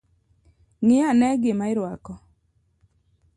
Ngi ane gima irwako